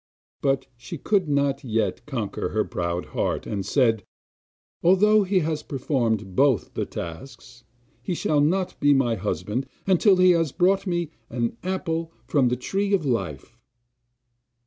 But she could not yet conquer her proud heart, and said: 'Although he has performed both the tasks, he shall not be my husband until he had brought me an apple from the Tree of Life.